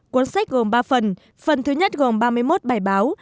cuốn sách gồm ba phần phần thứ nhất gồm ba mươi một bài báo